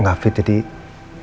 nggak fit jadi gapapa ya